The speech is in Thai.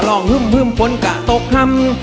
หลอนหึดหึ้มฝนกระตบห่ำ